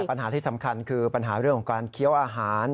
ปัญหาที่สำคัญคือปัญหาเรื่องของการเคี้ยวอาหาร